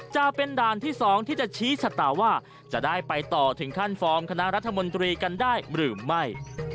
จะเป็นด่านที่๒ที่จะชี้ชะตาว่าจะได้ไปต่อถึงขั้นฟอร์มคณะรัฐมนตรีกันได้หรือไม่